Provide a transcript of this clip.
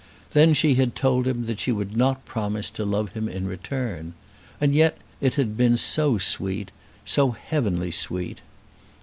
Then she had told him that she would not promise to love him in return. And yet it had been so sweet, so heavenly sweet!